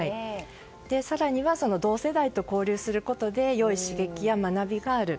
更には、同世代と交流することで良い刺激や学びがある。